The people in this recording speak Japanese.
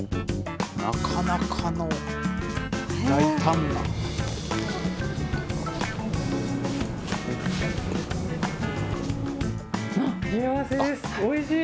なかなかの、大胆な。